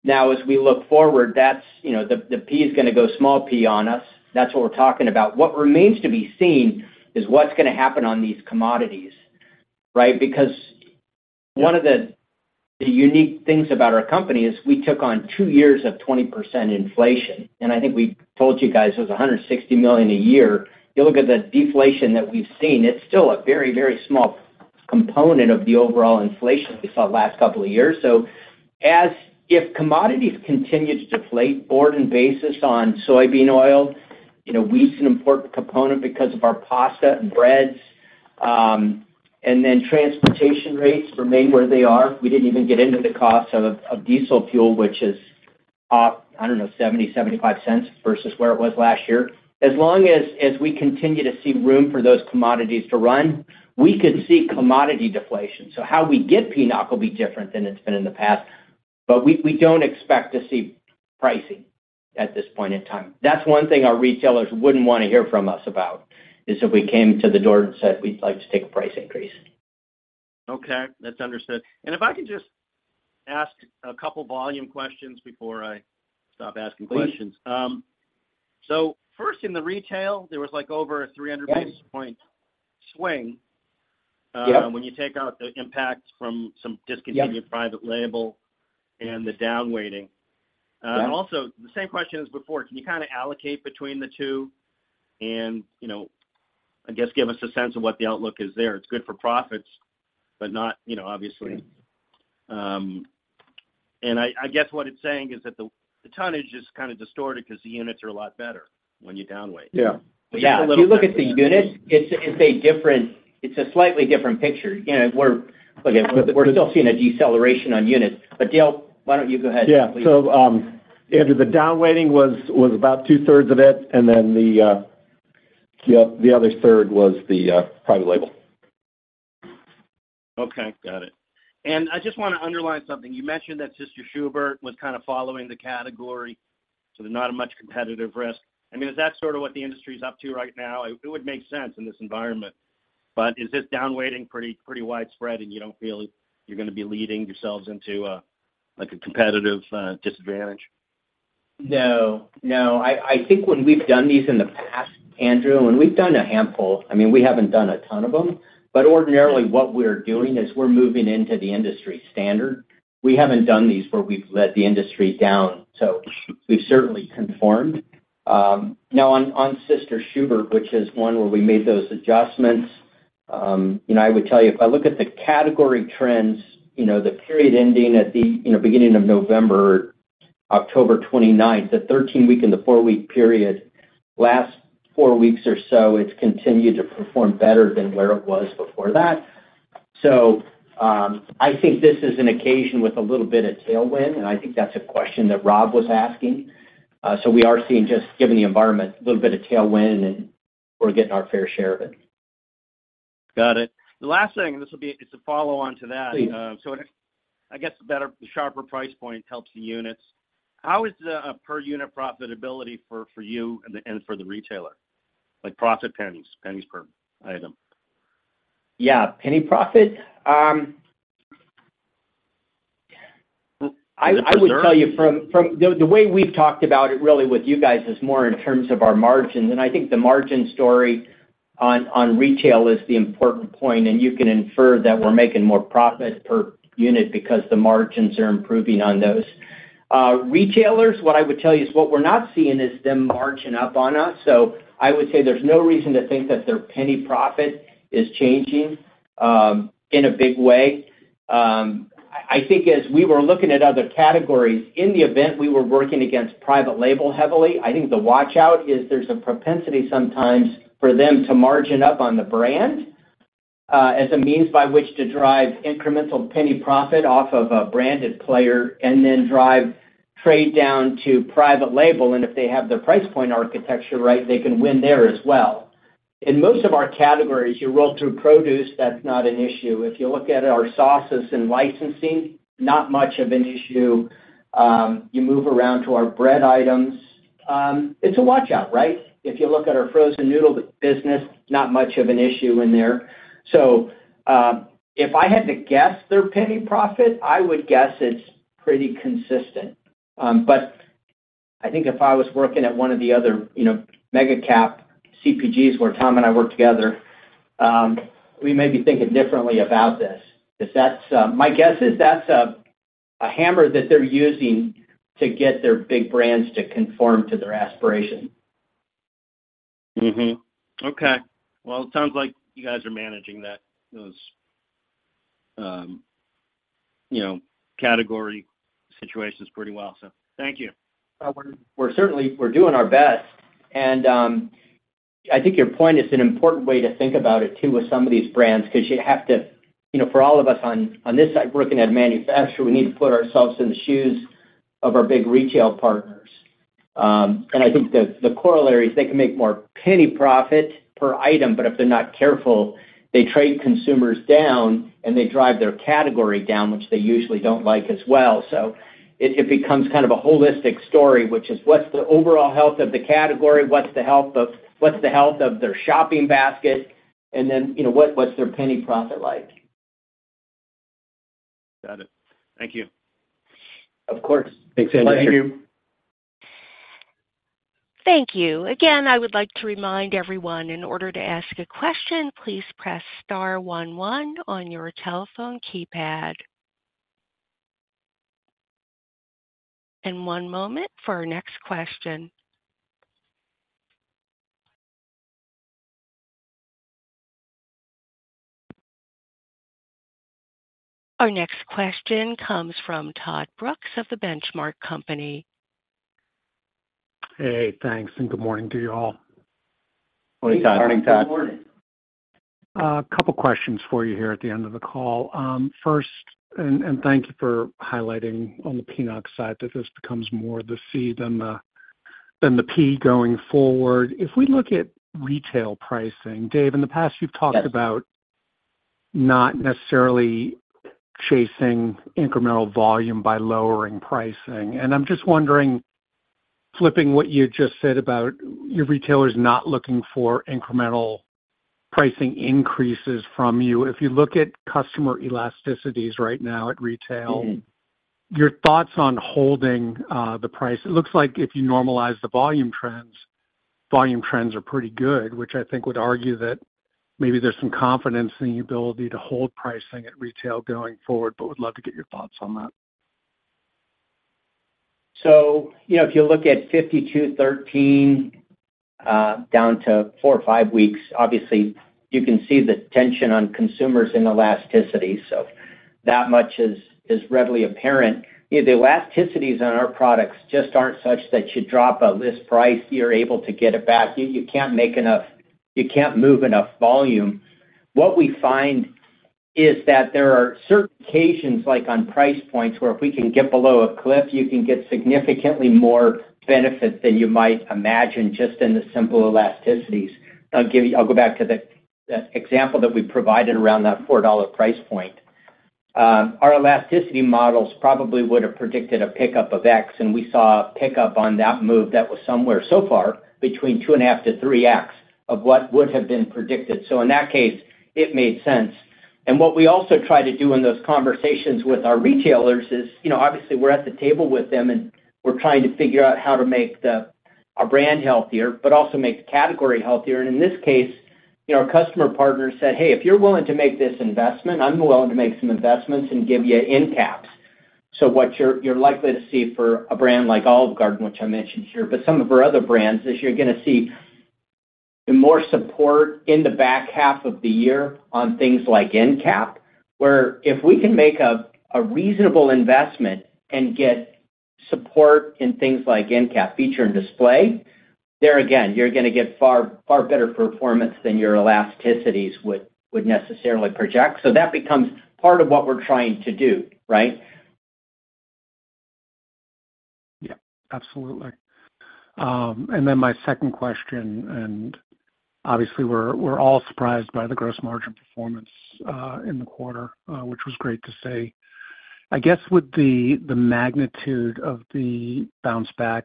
Now, as we look forward, that's, you know, the, the P is gonna go small P on us. That's what we're talking about. What remains to be seen is what's gonna happen on these commodities, right? Because one of the, the unique things about our company is we took on two years of 20% inflation, and I think we told you guys it was $160 million a year. You look at the deflation that we've seen, it's still a very, very small component of the overall inflation we saw the last couple of years. So as-- if commodities continue to deflate broad and basis on soybean oil, you know, wheat's an important component because of our pasta and breads, and then transportation rates remain where they are. We didn't even get into the cost of diesel fuel, which is up, I don't know, $0.70-$0.75 versus where it was last year. As long as we continue to see room for those commodities to run, we could see commodity deflation. So how we get PNOC will be different than it's been in the past, but we don't expect to see pricing at this point in time. That's one thing our retailers wouldn't wanna hear from us about, is if we came to the door and said, "We'd like to take a price increase. Okay, that's understood. If I could just ask a couple volume questions before I stop asking questions. Please. First in the retail, there was like over a 300 basis point- Yep. Swing. Yep. When you take out the impact from some discontinued- Yep Private label and the down weighting. Yep. And also, the same question as before, can you kind of allocate between the two and, you know, I guess, give us a sense of what the outlook is there? It's good for profits, but not, you know, obviously and I guess, what it's saying is that the tonnage is kind of distorted because the units are a lot better when you down weight. Yeah. Yeah. Just a little. If you look at the units, it's a slightly different picture. You know, look, we're still seeing a deceleration on units. But Dale, why don't you go ahead? Yeah. So, Andrew, the down weighting was about 2/3 of it, and then the other third was the private label. Okay, got it. And I just wanna underline something. You mentioned that Sister Schubert's was kind of following the category, so there's not much competitive risk. I mean, is that sort of what the industry's up to right now? It would make sense in this environment, but is this down-weighting pretty, pretty widespread, and you don't feel you're gonna be leading yourselves into a, like, a competitive disadvantage? No, no. I think when we've done these in the past, Andrew, and we've done a handful, I mean, we haven't done a ton of them, but ordinarily, what we're doing is we're moving into the industry standard. We haven't done these where we've led the industry down, so we've certainly conformed. Now on Sister Schubert, which is one where we made those adjustments, you know, I would tell you, if I look at the category trends, you know, the period ending at the, you know, beginning of November, October 29th, the 13-week and the four week period, last four weeks or so, it's continued to perform better than where it was before that. So, I think this is an occasion with a little bit of tailwind, and I think that's a question that Rob was asking. We are seeing, just given the environment, a little bit of tailwind, and we're getting our fair share of it. Got it. The last thing, and this will be, it's a follow-on to that. Please. So I guess, the better, the sharper price point helps the units. How is the per-unit profitability for you and for the retailer? Like penny profit, pennies per item. Yeah, penny profit. Well, I would observe. I would tell you from the way we've talked about it, really, with you guys, is more in terms of our margins, and I think the margin story on retail is the important point. And you can infer that we're making more profit per unit because the margins are improving on those. Retailers, what I would tell you is what we're not seeing is them margining up on us, so I would say there's no reason to think that their penny profit is changing in a big way. I think as we were looking at other categories, in the event we were working against private label heavily, I think the watch-out is there's a propensity sometimes for them to margin up on the brand, as a means by which to drive incremental penny profit off of a branded player and then drive trade down to private label. And if they have the price point architecture right, they can win there as well. In most of our categories, you roll through produce, that's not an issue. If you look at our sauces and licensing, not much of an issue. You move around to our bread items, it's a watch-out, right? If you look at our frozen noodle business, not much of an issue in there. So, if I had to guess their penny profit, I would guess it's pretty consistent. I think if I was working at one of the other, you know, mega cap CPGs where Tom and I worked together, we may be thinking differently about this. If that's my guess is that's a hammer that they're using to get their big brands to conform to their aspiration. Okay. Well, it sounds like you guys are managing that, those, you know, category situations pretty well. So thank you. We're certainly doing our best. And I think your point is an important way to think about it, too, with some of these brands, 'cause you have to, you know, for all of us on this side, working at manufacturer, we need to put ourselves in the shoes of our big retail partners. And I think the corollary is they can make more penny profit per item, but if they're not careful, they trade consumers down, and they drive their category down, which they usually don't like as well. So it becomes kind of a holistic story, which is: What's the overall health of the category? What's the health of their shopping basket? And then, you know, what's their penny profit like? Got it. Thank you. Of course. Thanks, Andrew. Thank you. Thank you. Again, I would like to remind everyone, in order to ask a question, please press star one one on your telephone keypad. One moment for our next question. Our next question comes from Todd Brooks of The Benchmark Company. Hey, thanks, and good morning to you all. Morning, Todd. Morning, Todd. Good morning. A couple questions for you here at the end of the call. First, and thank you for highlighting on the PNOC side, that this becomes more the C than the P going forward. If we look at retail pricing, Dave, in the past, you've talked about. Yes. Not necessarily chasing incremental volume by lowering pricing. I'm just wondering, flipping what you just said about your retailers not looking for incremental pricing increases from you. If you look at customer elasticities right now at retail your thoughts on holding the price. It looks like if you normalize the volume trends, volume trends are pretty good, which I think would argue that maybe there's some confidence in the ability to hold pricing at retail going forward, but would love to get your thoughts on that. So, you know, if you look at 52, 13 down to four or five weeks, obviously you can see the tension on consumers and elasticity. So that much is readily apparent. You know, the elasticities on our products just aren't such that you drop a list price, you're able to get it back. You can't make enough, you can't move enough volume. What we find is that there are certain occasions, like on price points, where if we can get below a cliff, you can get significantly more benefit than you might imagine, just in the simple elasticities. I'll give you. I'll go back to the example that we provided around that $4 price point. Our elasticity models probably would have predicted a pickup of X, and we saw a pickup on that move that was somewhere, so far, between 2.5x-3x of what would have been predicted. So in that case, it made sense. And what we also try to do in those conversations with our retailers is, you know, obviously, we're at the table with them, and we're trying to figure out how to make the, our brand healthier, but also make the category healthier. In this case, you know, our customer partners said, "Hey, if you're willing to make this investment, I'm willing to make some investments and give you end caps." So what you're likely to see for a brand like Olive Garden, which I mentioned here, but some of our other brands, is you're gonna see more support in the back half of the year on things like end cap, where if we can make a reasonable investment and get support in things like end cap, feature, and display, there again, you're gonna get far, far better performance than your elasticities would necessarily project. So that becomes part of what we're trying to do, right? Yeah, absolutely. And then my second question, and obviously we're, we're all surprised by the gross margin performance in the quarter, which was great to see. I guess, with the magnitude of the bounce back,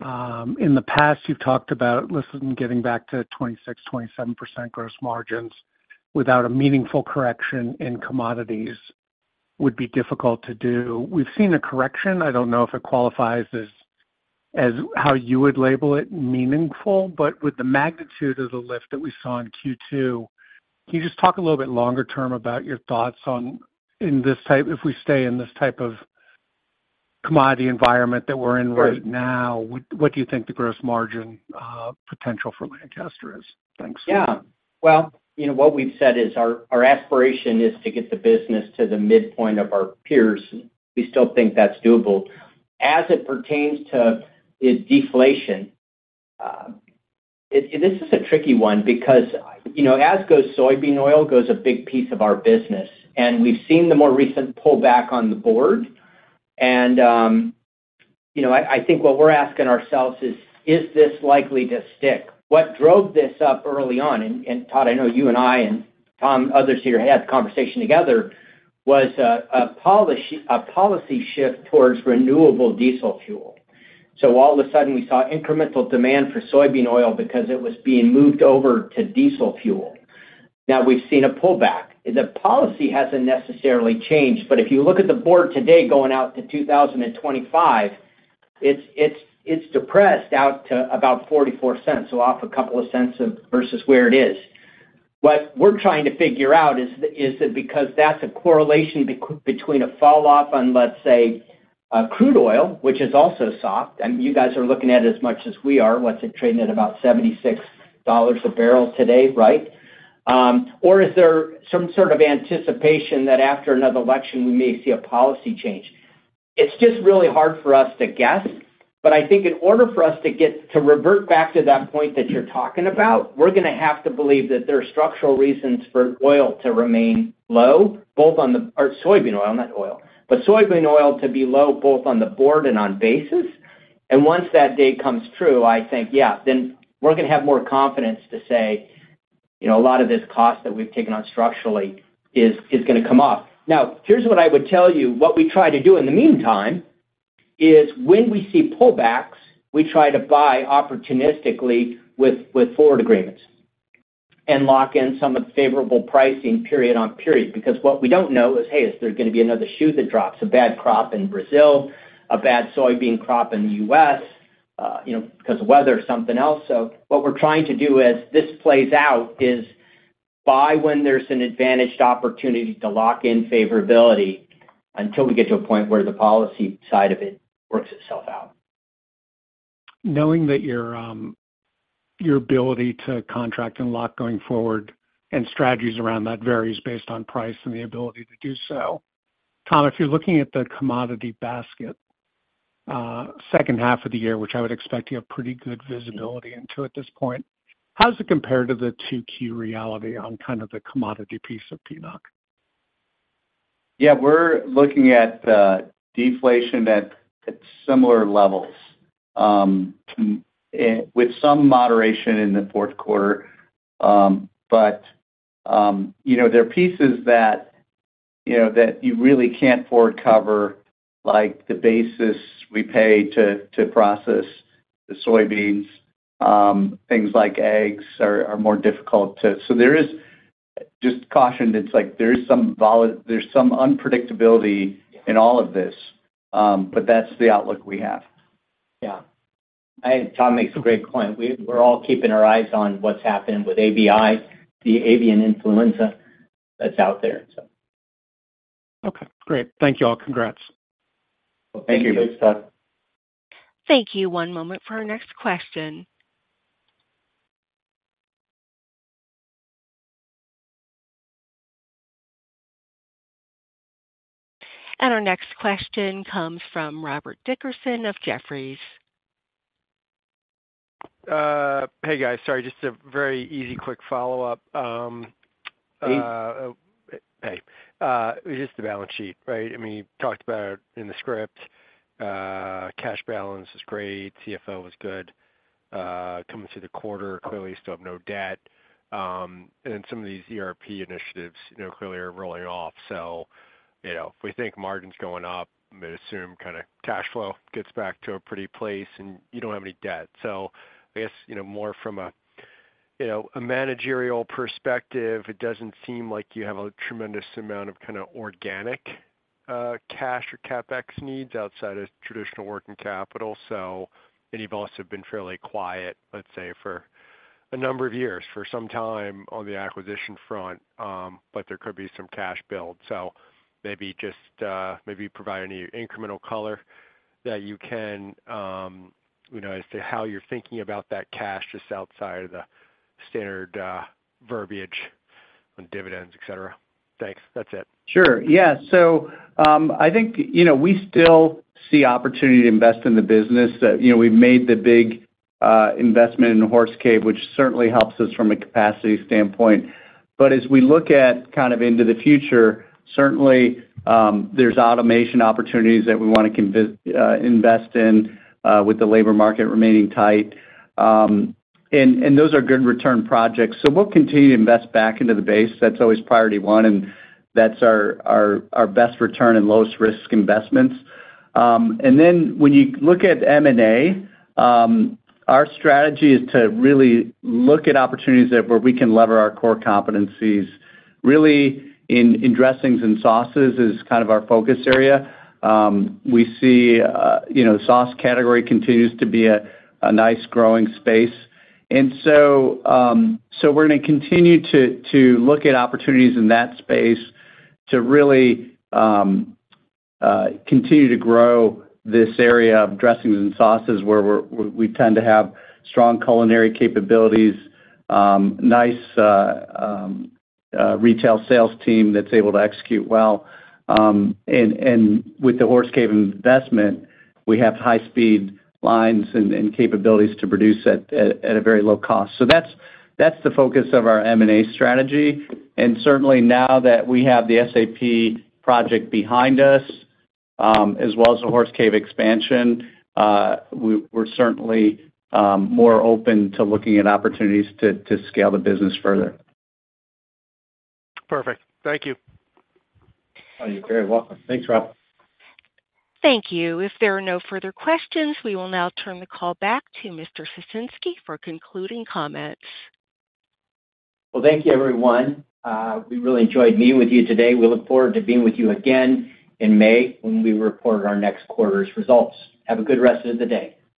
in the past, you've talked about Lancaster, getting back to 26, 27% gross margins without a meaningful correction in commodities would be difficult to do. We've seen a correction. I don't know if it qualifies as how you would label it, meaningful, but with the magnitude of the lift that we saw in Q2, can you just talk a little bit longer term about your thoughts on, in this type- if we stay in this type of commodity environment that we're in right now- Sure What, what do you think the gross margin potential for Lancaster is? Thanks. Yeah. Well, you know, what we've said is our, our aspiration is to get the business to the midpoint of our peers. We still think that's doable. As it pertains to its deflation, it, this is a tricky one because, you know, as goes soybean oil, goes a big piece of our business, and we've seen the more recent pullback on the board. And, you know, I, I think what we're asking ourselves is, is this likely to stick? What drove this up early on, and, and Todd, I know you and I and Tom, others here, had the conversation together, was a, a policy, a policy shift towards renewable diesel fuel. So all of a sudden, we saw incremental demand for soybean oil because it was being moved over to diesel fuel now we've seen a pullback. The policy hasn't necessarily changed, but if you look at the board today going out to 2025, it's depressed out to about $0.44, so off a couple of cents versus where it is. What we're trying to figure out is, is it because that's a correlation between a falloff on, let's say, crude oil, which is also soft, and you guys are looking at it as much as we are. What's it trading at? About $76 a bbl today, right? Or is there some sort of anticipation that after another election, we may see a policy change? It's just really hard for us to guess, but I think in order for us to get to revert back to that point that you're talking about, we're gonna have to believe that there are structural reasons for oil to remain low, both on the-- or soybean oil, not oil. But soybean oil to be low, both on the board and on basis. And once that day comes true, I think, yeah, then we're gonna have more confidence to say, you know, a lot of this cost that we've taken on structurally is gonna come off. Now, here's what I would tell you. What we try to do in the meantime is when we see pullbacks, we try to buy opportunistically with forward agreements and lock in some of the favorable pricing period on period. Because what we don't know is, hey, is there gonna be another shoe that drops, a bad crop in Brazil, a bad soybean crop in the US, you know, 'cause of weather or something else. So what we're trying to do as this plays out is buy when there's an advantaged opportunity to lock in favorability until we get to a point where the policy side of it works itself out. Knowing that your your ability to contract and lock going forward and strategies around that varies based on price and the ability to do so. Tom, if you're looking at the commodity basket, second half of the year, which I would expect you have pretty good visibility into at this point, how does it compare to the 2Q reality on kind of the commodity piece of PNOC? Yeah, we're looking at deflation at similar levels with some moderation in the fourth quarter. But you know, there are pieces that you know that you really can't forward cover, like the basis we pay to process the soybeans. Things like eggs are more difficult, so there is just caution. It's like there's some unpredictability in all of this, but that's the outlook we have. Yeah. I think Tom makes a great point. We're all keeping our eyes on what's happening with AVI, the avian influenza that's out there, so. Okay, great. Thank you all. Congrats. Thank you. Thanks, Todd. Thank you. One moment for our next question. Our next question comes from Robert Dickerson of Jefferies. Hey, guys. Sorry, just a very easy, quick follow-up. Just the balance sheet, right? I mean, you talked about it in the script. Cash balance is great. CFO is good, coming through the quarter. Clearly, you still have no debt. And some of these ERP initiatives, you know, clearly are rolling off. So, you know, if we think margin's going up, I'm gonna assume kind of cash flow gets back to a pretty place, and you don't have any debt. So I guess, you know, more from a, you know, a managerial perspective, it doesn't seem like you have a tremendous amount of kind of organic, cash or CapEx needs outside of traditional working capital. So and you've also been fairly quiet, let's say, for a number of years, for some time on the acquisition front, but there could be some cash build. So maybe just, maybe provide any incremental color that you can, you know, as to how you're thinking about that cash, just outside of the standard, verbiage on dividends, et cetera. Thanks. That's it. Sure. Yeah. So, I think, you know, we still see opportunity to invest in the business. That, you know, we've made the big investment in Horse Cave, which certainly helps us from a capacity standpoint. But as we look at kind of into the future, certainly, there's automation opportunities that we wanna invest in with the labor market remaining tight. And those are good return projects. So we'll continue to invest back into the base. That's always priority one, and that's our best return and lowest risk investments. And then when you look at M&A, our strategy is to really look at opportunities that where we can lever our core competencies. Really, in dressings and sauces is kind of our focus area. We see, you know, sauce category continues to be a nice growing space. So we're gonna continue to look at opportunities in that space to really continue to grow this area of dressings and sauces, where we tend to have strong culinary capabilities, nice retail sales team that's able to execute well. And with the Horse Cave investment, we have high-speed lines and capabilities to produce at a very low cost. So that's the focus of our M&A strategy. And certainly, now that we have the SAP project behind us, as well as the Horse Cave expansion, we're certainly more open to looking at opportunities to scale the business further. Perfect. Thank you. Oh, you're very welcome. Thanks, Rob. Thank you. If there are no further questions, we will now turn the call back to Mr. Ciesinski for concluding comments. Well, thank you, everyone. We really enjoyed being with you today. We look forward to being with you again in May when we report our next quarter's results. Have a good rest of the day.